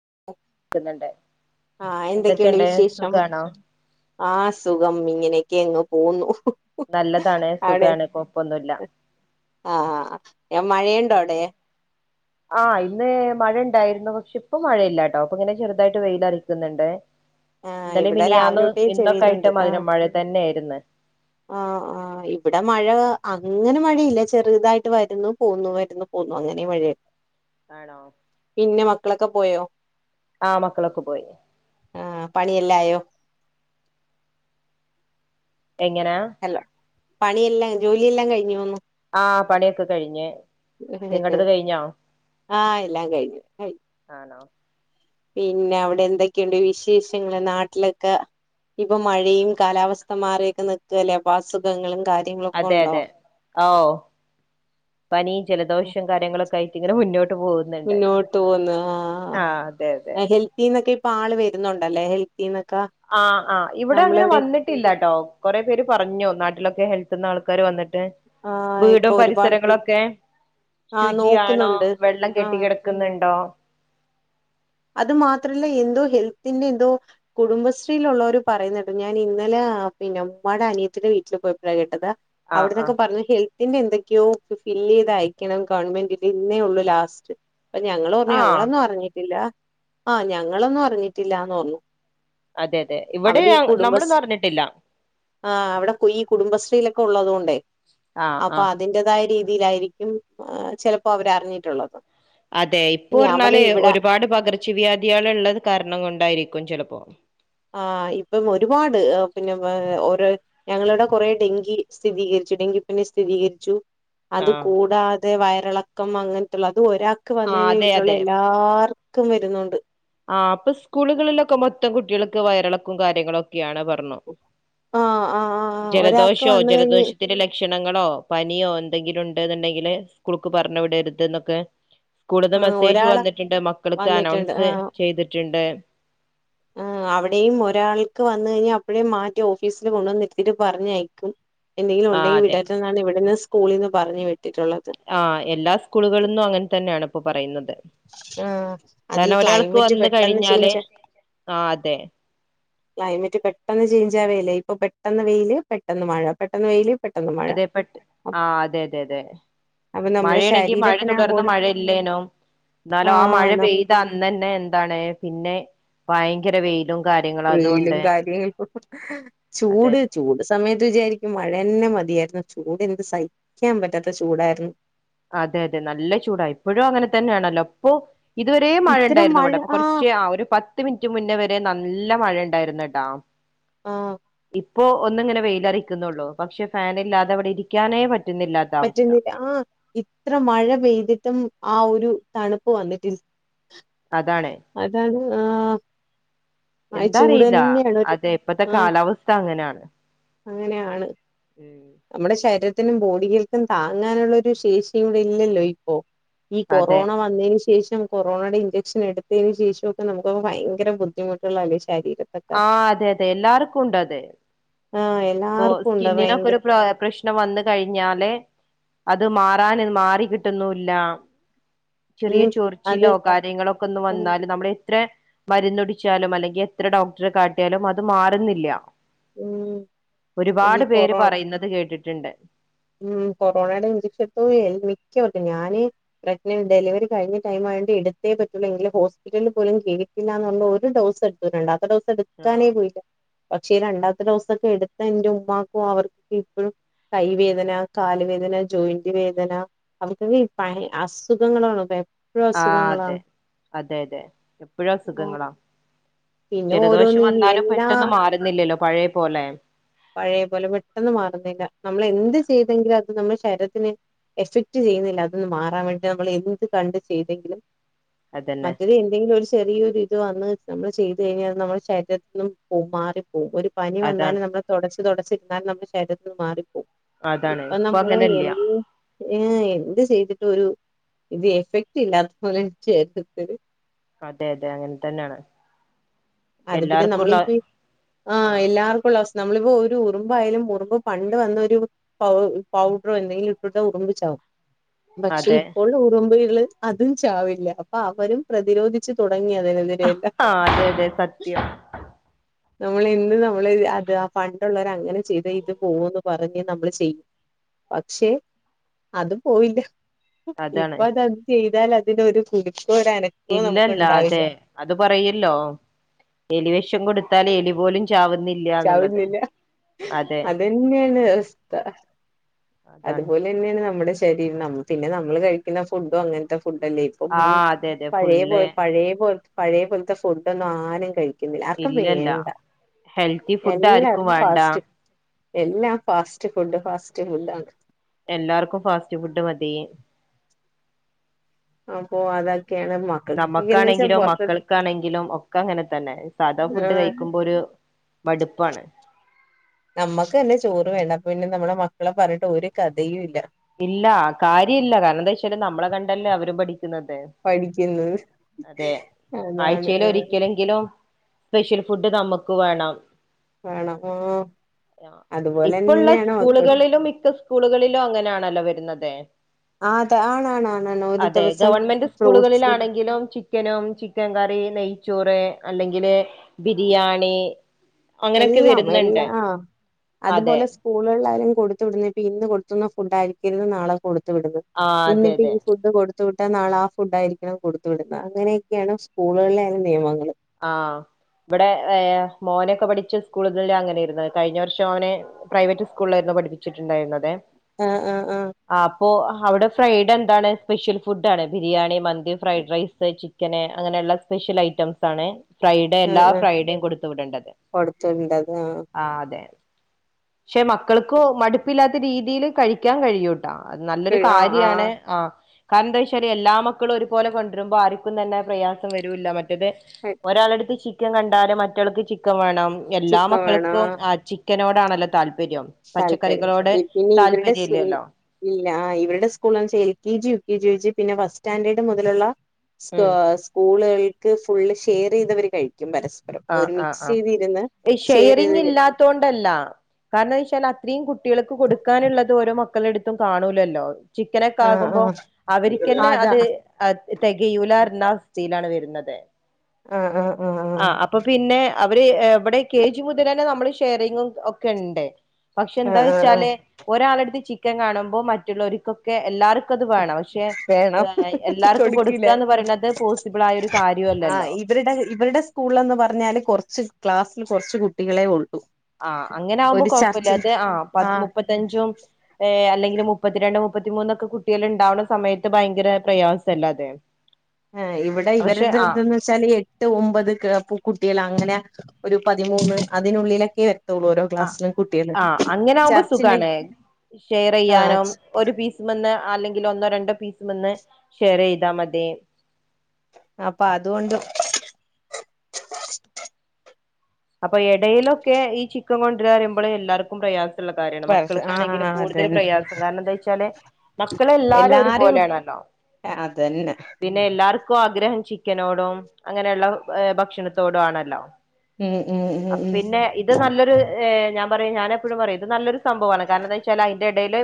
[unintelligible] ആ എന്തൊക്കെയുണ്ട് വിശേഷം ആ സുഖം ഇങ്ങനെക്കെ ക്കെ അങ്ങ് പോകുന്നു നല്ലതാണ് അടെ സുഖാണ് കൊഴപ്പൊന്നുല്ല ആഹ് മഴയുണ്ടോ അവ്ടെ? ആ ഇന്ന് മഴ ഇണ്ടായിരുന്നു പക്ഷെ ഇപ്പൊ മഴയില്ലാട്ടോ അപ്പൊ ഇങ്ങനെ ചെറുതായിട്ട് വെയിൽ അറിക്കുന്നുണ്ട് ആഹ് ഇന്നലെ ഇവിടെ രാവിലെ മിനിയാന്ന് തൊട്ടേ ഇന്നൊക്കെ ആയിട്ട് മധുരം മഴ തന്നെ യായ്ര്ന്ന് ആ ആ ഇവിടെ മഴ അങ്ങനെ മഴയില്ല ചെറുതായിട്ട് വരുന്നു പോന്നു വരുന്നു പോന്നു അങ്ങനെ മഴയ ആണോ? ക്കളൊക്കെ പോയോ? ആ മക്കളൊക്കെ പോയി ആ പണിയെല്ലായോ? എങ്ങനാ? പണിയെല്ലാം ജോലിയെല്ലാം കഴിഞ്ഞോന്ന് ആ പണിയൊക്കെ കഴിഞ്ഞ് നിങ്ങടത് കഴിഞ്ഞോ? ആ എല്ലാം കഴിഞ്ഞു കഴി ആണോ പിന്നെ അവിടെ എന്തൊക്കെയുണ്ട് വിശേഷങ്ങള് നാട്ടിലൊക്കെ? ഇപ്പൊ മഴയും കാലാവസ്ഥ മാറിയൊക്കെ നിൽക്കല്ലേപ്പ അസുഖങ്ങളും കാര്യങ്ങളൊക്കെ അതെ ഉണ്ടോ അതെ ഓ പനി, ജലദോഷം കാര്യങ്ങളൊ ക്കായ്റ്റ് ഇങ്ങന മുന്നോ മുന്നോട്ട് പോന്ന് ആഹ് അതെ അതെ ആ ഹെൽത്തിന്നൊക്കെ ഇപ്പ ആള് വരുന്നുണ്ടല്ലേ ഹെൽ ആ ആ ഇവിടെ അങ്ങനെ വന്നിട്ടില്ലട്ടോ കൊറെേ പേര് പറഞ്ഞു നാട്ടിലൊക്കെ ഹെൽ ത്ത്ന്നാ ആൾക്കാര് വന്നിട്ട് ആ ഇപ്പൊ വീടും ഒരുപാട് പരിസരങ്ങളൊക്കെ ആ ശുചിയാണോ നോക്കുന്നുണ്ട് വെള്ളം ആ കെട്ടി കിടക്കുന്നുണ്ടോ പിന്നെന്തോ കുടുംബശ്രീലുളോര് പറയുന്നേട്ടു ഞാൻ ഇന്നലെ പിന്നെ ഉമ്മാടെ അനിയത്തിന്റെ വീട്ടിൽ [unintelligible] കേട്ടത് ആഹ് അവിടന്നൊക്കെ ആഹ് പറഞ്ഞ് ഹെൽ പിന്നെന്തൊക്കെയോ ഫി ഫില്ലെയ്ത് അയക്കണം ഗവൺമെന്റിൽ ഇന്നേ ഉള്ളൂ ലാസ്റ്റ് അപ്പൊ ഞങ്ങൾ പറഞ്ഞു ആഹ് ഞങ്ങളൊന്നും അറിഞ്ഞിട്ടില്ല ആ ഞങ്ങളൊന്നും അറിഞ്ഞിട്ടില്ലാന്നർഞ്ഞു അതെ അതെ ഇവിടെ നമ്മളൊന്നും അറിഞ്ഞിട്ടില്ല ആ അവിടെ ഈ കുടുംബശ്രീയിലൊക്കെ ഉള്ളതോണ്ടേ ആഹ് അപ്പൊ ആഹ് അതിന്റെതായ രീതി തിയിലായിരിക്കും ചിലപ്പോ അവരറിഞ്ഞിട്ടുള്ളത് അതെ ഇപ്പൊ പറഞ്ഞാല് ഒരുപാട് പകർ ച്ചവ്യാധികള്ള്ളത് കാരണം കൊണ്ടായിരിക്കും ചെലപ്പോ ആ ഇപ്പം ഒരുപാട് പിന്നെ ഏ ഓരോ ഞങ്ങളുടെ കൊറെ ഡെങ്കി സ്ഥിതീകരിച്ചു ഡെങ്കിപനി സ്ഥിരീകരിച്ചു അത് ആഹ് കൂടാതെ വയറിളക്കം അങ്ങൻത്തുള്ള ത് ഒരാൾക്ക് വന്ന ആഹ് കഴിഞ്ഞാൽ അതെ വീട്ടിലുള്ള അതെ എല്ലാർക്കും വരുന്നുണ്ട് ആ പ്പൊ സ്കൂളുകളിലൊക്കെ മൊത്തം കുട്ടികൾക്ക് വയറിളക്കും കാര്യങ്ങളും ഒക്കെയാണ് പറ ള്ളം ആഹ് ആഹ് ആഹ് ഒരാൾക്ക് ജലദോഷോ വന്ന് കഴിഞ്ഞ് ജലദോഷത്തിന്റെ ലക്ഷ് ക്ഷണങ്ങളോ പനിയോ എന്തെങ്കിലുണ്ട് ന്ന്ണ്ടെങ്കില് സ്കൂൾക്ക് പർണ് വിടർത് ന്നൊക്കെ സ്കൂളിന്ന് ആഹ് മെസ്സേജ് ഒരാളെ വന്നിട്ട്ണ്ട് മക്കൾക്ക് വന്നിട്ടുണ്ട് അനൗൺസ് ആഹ് റ്റുണ്ട് ആ അവിടെയും ഒരാൾക്ക് വന്ന് കഴിഞ്ഞാ അപ്പഴേ മാറ്റി ഓഫീസില് കൊണ്ടുവന്നിര്ത്തീറ്റ് പറഞ്ഞയക്കും എന്തെങ്കിലും ആ ഉണ്ടെങ്കി അതെ വിടർത് ന്നാണ് ഇവിടെന്ന് സ്കൂളിന്ന് പറഞ്ഞു വി ആ എല്ലാ സ്കൂളുകൾന്നു അങ്ങൻ തന്നേണ് ഇപ്പൊ പറയുന്ന ആ അതീ ക്ലൈമറ്റ് വന്ന് പെട്ടെന്ന് കഴിഞ്ഞാല് ചെയ്ഞ്ച ആ അതെ ക്ലൈമറ്റ് പെട്ടെന്ന് ചെയ്ഞ്ച് ആവേലേ പ്പൊ പെട്ടെന്ന് വെയ്ല് പെട്ടെന്ന് മഴ പെട്ടെന്ന് വെയ്ല് അതെ പെട്ട് ആ അതെ അതെ അതെ അപ്പൊ നമ്മുടെ മഴേണെങ്കി മഴ ശരീരത്തിന് ആ തുടർന്ന് ബോഡി മഴ ല്ലേനും ന്നാലോ ആ മഴ ആഹ് പെയ്ത അന്നെന്നെ എന്താണ് പിന്നെ വയങ്കര വെയ്ലും വെയ്ലും കാര്യ യിട്ടും അതെ ചൂട് ചൂട് സമയത്ത് വിചാരിക്കും മഴെന്നെ മത് യായിരുന്നു ചൂട് എന്ത് സയ്ക്കാൻ പറ്റാത്ത ചൂടായിരുന്നു അതെ അതെ നല്ല ചൂടാ ഇപ്പോഴു അങ്ങനെ തന്നെയാണല്ലോ പ്പൊ ഇതുവരേ മഴ ഇത്തരം ണ്ടായിരുന്നു മഴ വടെ പ്പ ആഹ് കുറച്ചെ ആ ഒരു പത്ത് മിൻറ്റ് മുന്നേ വരെ നൽ ല്ല മഴ ണ്ടായിരുന്നു ട്ടാ ആ പ്പോ ഒന്ന് ങ്ങനെ വെയ്ലറീക്ക്ന്നൊള്ളൂ പക്ഷെ ഫാൻ ഇല്ലാതെ വടെ ഇരിക്കാനേ പറ്റ് റ്റുന്നില്ലാത്ത അവസ്ഥ പറ്റുന്നില്ല ആ ഇത്ര മഴ പെയ്തിട്ടും ആ ഒരു തണ്പ്പ് വന്നിട്ടിൽ അതാണ് ആ ആ എന്താ ചൂട് അറിയില്ല തന്നെയാണ് ഒരു അതെ പ്പത്ത ആ കാലാവസ്ഥ അങ്ങനാണ് അങ്ങനെയാണ് ഞമ്മടെ ശര് ത്തിനും ബോഡികൾക്കും താങ്ങാനുള്ളൊരു ശേഷി ഇവ്ടെ ഇല്ലല്ലോ ഇപ്പോ ഈ അതെ കൊറോണ വന്നേന് ശ് ശേഷം കൊറോണടെ ഇഞ്ചെക്ഷൻ എടുത്തേന് ശേഷമൊക്കെ നമുക്ക് അങ്ങ് ഭയങ്കര ബുദ്ധിമുട്ട്ള്ള അലോയ്‌ച് ആ അതെ അതെ എല്ലാർക്കു ഉണ്ട് അത് ആ ആ എല്ലാർക്കും ഉണ്ട് സ്കിന്നിനൊക്കെ ഭയങ്കര ഒരു പ്രാ പ്രശ്നം വന്ന് കഴിഞ്ഞാലെ അത് മാറാന് മാറി കിട്ട്ന്നൂല്ല ചെറിയ ഉം അത് ചൊറിച്ചിലോ കാര്യങ്ങളൊക്കൊന്ന് ഉം വന്നാല് നമ്മള് ത്ര മരുന്നുടിച്ചാലും അല്ലെങ്കി എത്ര ഡോക്ടറെ കാട്ടിയാലും അത് മാറ്ന്നില്ല്യ ഉം അത് ഒരുപാട് ഈ പേര് കൊറോണ പറയുന്നത് കേട്ടിട്ട്ണ്ട്. ഉം കൊറോണടെ ഇഞ്ചക്ഷ ട്ത മിക്കവർക്കും ഞാന് പ്രക് ഡെലിവറി കഴിഞ്ഞ് കഴിഞ്ഞ ടൈമ അവൻ്റെ എടത്തേ പറ്റു ഹോസ്പിറ്റലിലും പോലും കേറ്റുല്ല പർഞ്ഞ് ഒരു ഡോസ് എടുത്തിട്ട്ണ്ട് രണ്ടാമത്തെ ഡോസ് എടുക്കാനേ പോയീല പക്ഷ് ഈ രണ്ടാത്തെ ഡോസൊക്കെ എടുത്ത എൻ്റെ ഉമ്മാക്കു അവർക്കൊക്കെ ഇപ്പഴും കൈ വേ ദന കാല് വേദന ജോയിന്റ് വേദന അവർക്കൊക്കെ ഭയ് അസ്സുഖങ്ങളാണ് ബേ ആ അതെ അതെ അതെ എപ്പഴു ആ അസുഖങ്ങളാ പിന്നെ ജലദോഷം ഓരോന്ന് ഈ വന്നാലും എല്ലാ പെട്ടെന്നു മാറുന്നില്ലല്ലോ പഴേ പോലെ പഴേ പോലെ പെട്ടെന്ന് മാറുന്നില്ല നമ്മൾ ഇല്ല എന്ത് ചെയ്തെങ്കിലു അ ത് നമ്മളെ ശരിഅത്തിന് എഫക്ട് ചെയ്യുന്നില്ല അതൊന്ന് മാറാൻ വേണ്ടിറ്റ് നമ്മൾ എന്ത് കണ്ട് ചെയ്തെങ്കിലും അതന്നെ മറ്റത് എന്തെങ്കിലു ഒരു സ് ചെറിയൊരിത് വന്ന് നമ്മള് ചെയ്ത് എയ്ഞ്ഞാ നമ്മടെ ശരീരത്തിന്ന് പോം മാറി പോം ഒരു പനി അതാണ് വന്നാലും നമ്മള് തൊടച്ച് തൊടച്ചിരുന്നാലും നമ്മടെ ശരീരത്തിന്ന് മാറി അതാണ് ഇപ്പൊ നമ്മള് എൻ അങ്ങനെല്ല ഉം എന്ത് ചെയ്തിട്ടൊരു ഇത് എഫക്ട് ഇല്ലാത്ത പോലെ അതെ അതെ അങ്ങൻതന്നെണ് അത് പിന്നെ നമ്മളി പ്പ ഇ ആ എല്ലാർക്കുള്ള അസ് നമ്മളിപ്പോ ഒരു ഉറുമ്പയാലും ഉറുമ്പ് പണ്ട് വന്നൊരു പൗ പൗഡറോ എന്തെങ്കിലും ഇട്ട്ട്ട് ഉറുമ്പ ച്ചാവും പക്ഷെ അതെ ഇപ്പോൾ ഉറ്മ്പ്കള് അതും ചാവില്ല അപ്പൊ അവരും പ്രതിരോധിച്ച് തുടങ്ങ തുടങ്ങിയതിനെതിരെ സത്യ നമ്മള് എന്ത് നമ്മള് അത് ആ പണ്ടുള്ളവർ അങ്ങനെ ചെയ്താ ഇത് പോവന്ന് പറഞ്ഞ നമ്മള് ചെയ്യും പക്ഷെ അത് പോയില്ല അതാണ് ഇപ്പൊ അതത് ചെയ്താൽ അതിനൊരു കുടി ഇല്ലല്ല അതെ അത് പറയില്ലോ എലി വിഷം കൊടുത്താൽ എലി പോലും ചാവുന്നില്ല എന്നുള്ളത് ചവിന്നില്ല അതെ അതന്നെയാണ് അവസ്ഥ അതാണ് അതുപോലെ തന്നെയാണ് നമ്മുടെ ശരീരം പിന്നെ നമ്മള് കഴിക്കുന്ന ഫുഡോ അങ്ങനത്തെ ഫുഡ്ല്ലേ ഇപ്പം ആ ഉ അതെ അതെ പഴയെ ഫുള്ള് പഴയ പോലത്തെ പഴയ പോലത്തെ ഫുഡൊന്നും ആരും കഴിക്കും. ന്നില്ല ആർക്കും ഇല്ലല്ല വേണ്ട ഹെൽത്തി ഫുഡ് ആർക്കും എല്ലാർക്കും വേണ്ട ഫാസ്റ്റ് എല്ലാം ഫാസ്റ്റ് ഫുഡ് ഫാസ്റ്റ് ഫുഡ് ആ എല്ലാർക്കും ഫാസ്റ്റ് ഫുഡ് മതി. ആപ്പ അത നമ്മക്കാണെങ്കിലും മക്കൾക്കാണെങ്കിലും ഒക്കെ അങ്ങനെ തന്നെ. സാധാ ഫുഡ് ആഹ് കഴിക്കുമ്പോ ഒരു മടുപ്പാണ്. നമ്മുക്ക് തന്നെ ചോറ് വേണ്ട, പിന്നെ നമ്മുടെ മക്കളെ പറഞ്ഞിട്ട് ഒരു കഥയു ഇല്ല. ഇല്ല കാര്യം ഇില്ല കാരണം എന്താ വെച്ചല് നമ്മളെ കണ്ടല്ലേ അവര പഠിച്ച ക്കണത് പഠിക്കുന്നത് അതെ അതാണ് ആഴ്ചയിലോ ആഹ് ഒരിക്കലെങ്കിലും സ്പെഷ്യൽ ഫുഡ് നമുക്ക് വേണം വേണം ആഹ് അതുപോലെ ഇപ്പുള്ള തന്നെയാണ് മക്കൾ സ്കൂളുകളിലും ഇത് സ്കൂളുകളിലോ അങ്ങനെയാണല്ലോ വരുന്നതെ ആഹ് അത ആണാണാണാണ് ഒരു അതെ ദിവസം ഗവമെന്റ് ഫ്രൂട്ട്സ് സ്കൂളുകളിലാണെങ്കിലും ചിക്കനും. ചിക്കൻ നെയച്ചോറ് അല്ലെങ്കില് ബിരിയാണി. അങ്ങനെയൊക്കെ എല്ലാം എല്ലാ വരുന്നുണ്ട് ആ അതെ അതുപോലെ സ്കൂളള്ളാരും കൊടുത്തു വിടുന്നപ്പ ഇന്ന് കൊടുത്തുന്ന ഉണ്ടായിരിക്കരുന്ന നാളെ കൊടുത്തു വിടുന്ന ആ അതെ ഇന്നിപ്പ അതെ ഈ ഫുഡ് കൊടു കൊടുത്ത വിട്ടാ നാള ആ ഫുഡ് ആയിരിക്കണം കൊടുത്തു വിടുന്നത് അങ്ങനെയൊക്കെയാണ് സ്കൂളില നിയമങ്ങൾ ആഹ് ഇവിടെ ഏഹ് മോനൊക്കെ പഠിച്ച സ്കൂളുകളല് അങ്ങനെരുന്നു, കഴിഞ്ഞ വർഷം മോനെ പ്രൈവറ്റ് സ്കൂളിലായിരുന്നു പഠിച്ചിട്ടുണ്ടായിരുന്നത് ആ ആ ആ അപ്പോൾ അവിടെ ഫ്രൈഡെ എന്താണ്, സ്പെഷ്യൽ ഫുഡ് ആണ് ബിരിയാണി മന്തി ഫ്രൈഡ് റൈസ് ചിക്കന് അങ്ങനെ സ്പെഷ്യൽ ഐറ്റംസ് ണ് ഫ്രൈഡേ എല്ലാ ആഹ് ആഹ് ഫ്രൈഡേയും കൊടുത്തു വിടേണ്ടത് കൊടുത്തണ്ട് അത് ആ അതെ പക്ഷെ മക്കൾക്ക് മടുപ്പില്ലാത്ത രീതിയിൽ കഴിക്കാൻ കഴിയു അ നല്ലൊരു ആഹ് ആഹ് കാര്യാണ് ആഹ് ആ എന്താ വെച്ചാല് എല്ലാ മക്കളും ഒരുപോലെ കൊണ്ടരുമ്പോ ആർക്കും തന്നെ പ്രയാസം വരൂല്ല മറ്റത് ഒരാളടുത്ത് ചിക്കൻ കണ്ടാല് മറ്റൾക്ക് ചിക്കൻ വേണം എല്ലാ ചിക്കൻ വേണം മക്കൾക്കും ആ ചിക്കനോട് ആണലേതാല്പം, താല്പര്യം പിന്നെ ഇവരുടെ താല്പര്യം സുനി ഇല്ലല്ലോ ഇല്ല ആ ഇവടെ സ്കൂള്ന്ന് വൊ L K G U K G ഒച് പിന്നെ ഫസ്റ്റ് സ്റ്റാൻഡേർഡ് മുതലുള്ള സ് ഉം സ്കൂളുകൾക്ക് ഫുള്ള് ഷെയർ ചെയ്തവർ കഴിക്കും പരസ്പരം ആ ഒരു ആ മിക്സ് ആ ചെയ്തിരുന്ന് ഷെയർത് കഴി ണ്ടല്ല കാരണം വച്ചാൽ അത്രയും കുട്ടികൾക്ക് കൊടുക്കാനുള്ളത്, ഓരോ മക്കളുടുത്തും കാണൂലല്ലോ ചിക്കനൊക്കെ ആഹ് ആകുമ്പോ ആഹ് അവർക്ക്ന്നെ അതാ അത് തികയൂല എന്ന അവസ്ഥയിലാണ് വരുന്നത് ആ ആ ആ അപ്പൊ പിന്നെ അവര് ഇവിടെ കെ ജി മുതലന്നേ നമ്മള് ഷെയറിങ്ങും ഒക്കെ ഉണ്ട്. പക്ഷെ എന്താ ആഹ് ആഹ് വെച്ചാല് ഒരാളടുത്ത് ചിക്കൻ കാണുമ്പോ മറ്റുള്ളവർക്കൊക്കെ എല്ലാവർക്കും കത് വേണം പക്ഷെ വേണം എല്ലാർക്കും കൊടുക്കില്ല കൊടുക്കാന്ന് പറയ്ണത് പോസിബളായ ഒരു കാര്യല്ലല്ലോ സ്കൂളെന്ന് പറഞ്ഞാല് കോർച്ച് ക്ലാസ്സിൽ കോർച്ച് കുട്ടികളെ ഒള്ളൂ ആ അങ്ങനെ ആകുമ്പോ കൊഴപ്പല്ല അത് ആ ആഹ് മുപ്പത്തഞ്ചും അല്ലെങ്കി മുപ്പത്തിരണ്ട് മുപ്പത്തിമൂന്നൊക്കെ കുട്ടികൾ ഉണ്ടാവുന്ന സമയത്ത്, ഭയങ്കര പ്രയാസല്ല അത് ആ ഇവിടെ പക്ഷെ ഇവരത് ആഹ് ഇതന്ന് വെച്ചാല് എട്ട് ഒമ്പത്കെ കുട്ടികളാണ്. അങ്ങനെ ഒരു പതിമൂന്ന് അതിനുള്ളിലൊക്കെത്തുള്ളൂ ഓരോ ക്ലാസിലെ കു ആ അങ്ങനെ ആവുമ്പോ സുഖണേ ആഹ് ഷെയറ്യ്യാനോ ഒരു പീസ് മന്ന് അല്ലെങ്കിൽ ഒന്നോ രണ്ടോ പീ വന്ന് ഷെയറ് ചെയ്താ മതി അപ്പ അതുകൊണ്ട് അപ്പ എടയിലൊക്കെ ഈ ചിക്കൻ കൊണ്ട് രാന്നറയുമ്പള് എല്ലാർക്കും പ്രയാ കാര്യമാണ് മക്കൾക്കാണെങ്കിലും ആഹ് കൂടുതല് അതന്നെ പ്രയാസം കാരണം എന്തായ്ച്ചാല് മക്കള് എല്ലാരും ഒരുപോലെയാണല്ലോ അതന്നെ പിന്നെ എല്ലാർ ൻക്കും ആഗ്രഹം ചിക്കനോടും അങ്ങനെയ്ള്ള ഭക്ഷണത്തോടും ആണല്ലോ ഉം ഉം ഉം അപ്പ ഉം പിന്നെ ഇത് നല്ലൊരു ഞാൻ പറയും ഞാന് എപ്പഴും പറയും ഇത് നല്ലൊരു സംഭവാണ് കാരണം എന്താ വെച്ചാ അയ്ന്റെ എടില്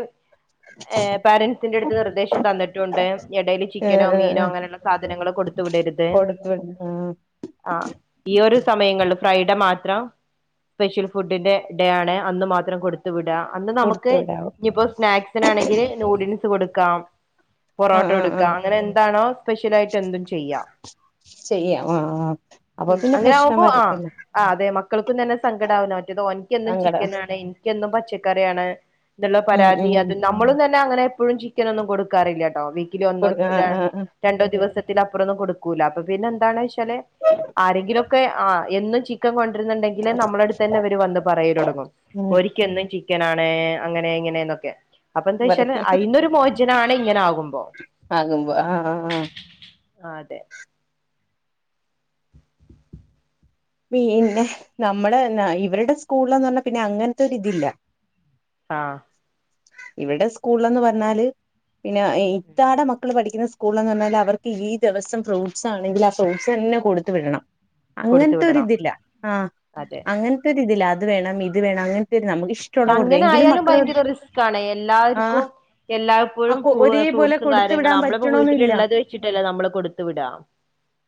പാരൻസിന്റെ അടുത്ത് നിർദ്ദേശം തന്നിട്ടുണ്ട് എടില് ആഹ് ചിക്കനോ ആഹ് മീനോ ആഹ് അങ്ങനെള്ള സാധനങ്ങൾ കൊട് ത്ത് വിടരുത് [unintelligible] ആ ഈ ഒരു സമയങ്ങളും ഫ്രൈഡ മാത്രം സ്പെഷ്യൽ ഫുഡിന്റെ ഡേ ആണ് അന്ന് മാത്രം കൊടുത്ത് വിടാ അന്ന് നമുക്ക് കൊടുത്തു വിടാവും ഇഞ്പ്പ സ്നാക്സിനാണെങ്കില് നൂഡിൽസ് കൊടുക്കാം പൊറോട്ട ആഹ് ആഹ് കോടുക്കാം ആഹ് അങ്ങനെ എന്താണോ സ്പെഷ്യലായിട്ട് എന്തും ചെയ്യാ ചെയ്യാം ആ ആ അപ്പ പിന്നെ പ്രശ്നം വരത്തില്ല ആ അതെ മക്കൾക്കും തന്നെ സങ്കടം ആവും മറ്റോ ഓൻക്കെന്നും സങ്കടം ചിക്കനാണ് എനിക്കും ഒന്നും ച്ചക്കറിയാണ് എന്ന്ള്ള ഉം പരാതി ഉം അത് നമ്മളും തന്നെ അങ്ങനെ എപ്പോഴും ചിക്കനോന്നും കൊടുക്കാറില്ലട്ടോ കൊടുക്ക ആഹ് [unintelligible] ആഹ് ആഹ് രണ്ടോ ദിവസത്തിന് അപ്പുറൊന്നും കൊടുക്കൂല അപ്പ പിന്നെ എന്തണ് ചാല് ആരെങ്കിലുംക്കെ ആ എന്നും ചിക്കൻ കൊ ണ്ടെങ്കില് നമ്മളെടുത്തനെ ഇവര് വന്ന് പറയല് ഒടങ്ങും ഉം ഓരിക് എന്നും ചി ക്കനാണ് അങ്ങനെ ഇങ്ങനെ എന്നൊക്കെ അപ്പൊ എന്തായ്ച്ചാല് അയ്ന്നൊരു മോചനാണ് ഇങ്ങനെ ആകും ആകുമ്പ ആ ആ ആ അതെ പിന്നെ നമ്മള് ഇവരുടെ സ്കൂൾന്ന് പറഞ്ഞാ പിന്നെ അങ്ങനത്തോരി ഇതില്ല ആ ഇവിടെ സ്കൂൾന്ന് പറഞ്ഞാല് പിന്നെ ഇത്താടെ മക്കള് പഠിക്കുന്ന സ്കൂൾന്ന് പറഞ്ഞാല് അവർക്ക് ഈ ദിവസം ഫ്രൂട്സ് ആണെങ്കില് ആ ഫ്രൂട്സ് തന്നെ കൊടുത്ത് വിടണം അങ്ങെ കൊടുത്തു അങ്ങൻത്തെരു വിടണം ഇതില്ല ആ അതെ അങ്ങൻത്തോര് ഇതില്ല അത് വേണം ഇത് വേണം അങ്ങൻതോരു പക്ഷെ അങ്ങനെ ആയാലും ഭയങ്കര റിസ്ക് ആണ് ആ എല്ലാവർക്കും എല്ലാപ്പോഴും അപ്പൊ ഫ്രൂ ഒരേപോലെ ഫ്രൂട്ട്സും ക കൊടുത്തു കാര്യങ്ങള് വിടാൻ നമ്മളിപ്പോ പറ്റണന്നില്ല വീട്ടില്ള്ളത് വെച്ചിട്ടല്ലേ നമ്മള് കൊടുത്ത് വിട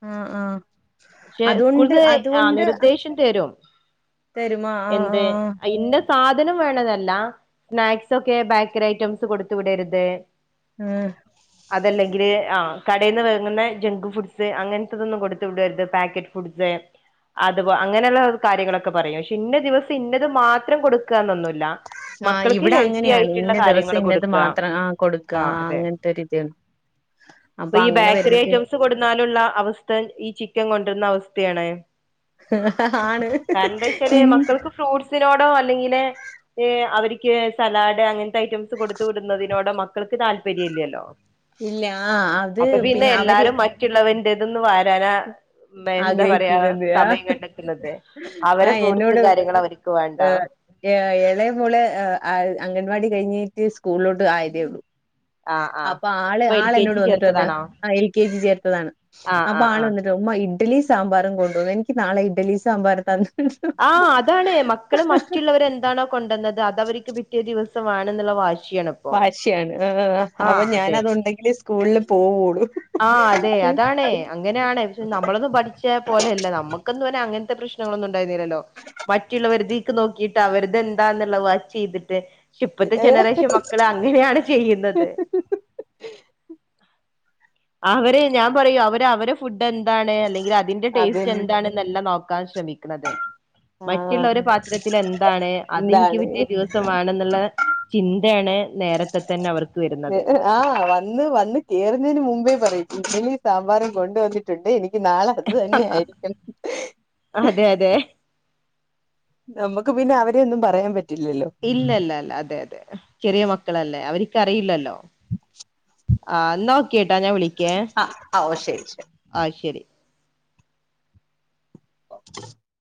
ആ ആ പക്ഷെ അതുകൊണ്ട് സ്കൂൾന്ന് ആ അതുകൊണ്ട് നിർദ്ദേശം തരും തരുമ ആ എന്ത് ആ ഇന്ന സാധനം വേണതല്ല സ്നാക്സ് ഒക്കെ ബേക്കറി ഐറ്റംസ് കൊടുത്ത് വിടരുത് ഉം ഗ്രെ ആ കടെന്ന് വേങ്ങുന്ന ജങ്ക് ഫുഡ്സ് അങ്ങൻത്തതൊന്നും കൊടുത്ത് വിടരുത് പാക്കറ്റ് ഫുഡ്സ് അത്പ അങ്ങനെള്ള കാര്യങ്ങളൊക്കെ പറയും പക്ഷെ ഇന്ന ദിവസം ഇന്നത് മാത്രം കൊടുക്ക ആ മക്കൾക്ക് ഇവിടെ ഹെൽത്തി അങ്ങനെയാണ് ആയിട്ട്ള്ള ഇന്ന കാര്യങ്ങൾ ദിവസം ഇന്നത് കൊടുക്കാ മാത്രം ആ കൊടുക്ക ആ അതെ അങ്ങനത്തെ ഒരിത് ഇപ്പ അപ്പൊ ഈ അങ്ങനെ ബേക്കറി വരുമ്പോ ഐറ്റംസ് കൊട്ന്നാലുള്ള അവസ്ഥ ഈ ചിക്കൻ കൊണ്ട് വരുന്ന [unintelligible] ആണ് കരണന്തായ്ച്ചാല് ഇൻ മക്കൾക്ക് ഫ്രൂഡ്സിനോടെ അല്ലെങ്കി അവർക്ക് സലാഡ് അങ്ങൻത്തെ ഐറ്റംസ് കൊടുത്ത് വിടുന്നതിനോടോ മക്കൾക്ക് താല്പര്യം ഇല്ലല്ലോ ഇല്ല ആ അത് അപ്പൊ പിന്നെ അവര് എല്ലാരും മറ്റുള്ളവൻ്റെ തൊന്ന് വാരാനാ മ എന്താ പറയാ ആഗ്രഹിക്കുന്നത് ആ സമയം കണ്ടതുന്നത് ആ അവരെ ഫ്രൂട്ട്സും എന്നോട് കാര്യങ്ങളും അവർക്ക് വേണ്ട ഏ എളയ മോളെ ആ എ അംഗൻവാടി കഴിഞ്ഞിട്ട് സ്കൂളിലോട്ട് ആയതേ ഉള്ളൂ ആ ആ അപ്പ ആള് ആള് എന്നോട് വന്നിട്ട് പറഞ്ഞു ആ എൽ കെ ജി ചേർത്തതാണ് ആഹ് അപ്പൊ ആഹ് ആള് ആഹ് വന്നിട്ട് ഉമ്മാ ഇഡലി സാമ്പാറും കൊണ്ടുന്നു എനിക്ക് നാളെ ഇഡലി സാമ്പാറും തന്ന് ആഹ അതാണ് മക്കള് മറ്റുള്ളവരെ എന്താണോ കൊണ്ടന്നത് അത അവർക്ക് പിറ്റിയ ദിവസ വേണം വാഷി വാശിയാണ് ആ അപ്പൊ ഞാന അതു ഉണ്ടെങ്കിൽ സ്കൂളിൽ പോവുള്ളൂ ആ അതെ അതാാണ് അങ്ങനെയാണ് പക്ഷെ നമ്മളൊന്നും പഠിച്ച പോലെല്ല നമ്മുക്കന്നന്നും അങ്ങനെ ത്തെ പ്രശ്നങ്ങളൊന്നും പ്രശ്നങ്ങളൊന്നും ഉണ്ടായിരുന്നില്ലല്ലോ മറ്റുള്ളവരതേക്ക് നോക്കിട്ട് അവരുതെന്താന്നുള്ള വാച്ച് ചെയ്തിട്ട് ഇപ്പത്തെ ജനറേഷൻ മക്കൾ അങ്ങനെയാണ് ചെയ്യുന്നത് അവര് ഞാൻ പറയൂ അവര് അവരെ ഫുഡ് എന്താണ് അല്ലെങ്കിൽ അതിന്റെ അത് ടേസ്റ്റ് എന്താണ്ന്നല്ല നോക്കാ ശ്രമിക്ക്ണത് ആ മറ്റുള്ളവരു പാത്രത്തി എന്താണ് അതെനിക്ക് എന്താണ് പിറ്റേ ദിവസം വേണെന്നുള്ള ചിന്തയാണ് നേരത്തെ തന്നെ അവർക്ക് വരുന്നത് ആഹ വന്ന് വന്ന് കേറഞ്ഞതിന് മുമ്പേ പറയും ഇഡലി സാമ്പാറും കൊണ്ടുവന്നിട്ടുണ്ട് എനിക്ക് എ നാളെ അത് തന്നെ ആയിരിക്കും അതെ അതെ നമുക്ക് പിന്നെ അവരെയൊന്നും പറയാൻ പറ്റില്ല ഇല്ലല്ല അല്ല അതെ അതെ ചെറിയ മക്കളല്ലേ അവർക്ക്റിയില്ലല്ലോ [inaudible] ആഹ നോക്കിട്ടാ ഞാൻ വിളിക്കേ ആഹ് ഓ ശരി ശരി ആഹ ശെരി [inaudible]